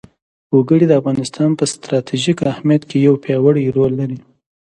وګړي د افغانستان په ستراتیژیک اهمیت کې یو پیاوړی رول لري.